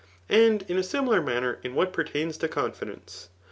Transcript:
And in a similar manner in what pertains to^confideoce.